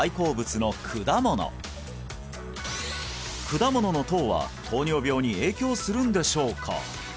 果物の糖は糖尿病に影響するんでしょうか？